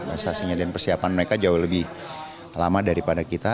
prestasinya dan persiapan mereka jauh lebih lama daripada kita